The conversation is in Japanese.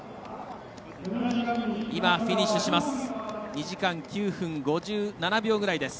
フィニッシュしました。